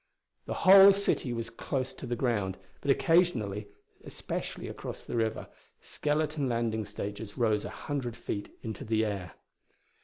The whole city was close to the ground, but occasionally, especially across the river, skeleton landing stages rose a hundred feet into the air.